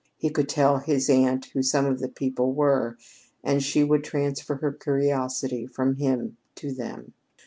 He could tell his aunt who some of the people were, and she would transfer her curiosity from him to them.